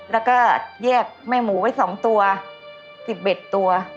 แล้วก็แยกแม่หมูไว้สองตัวสิบเอ็ดตัว